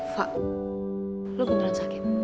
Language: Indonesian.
fak lo beneran sakit